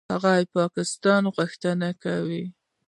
هغه د پاکستان غوښتنه وکړه.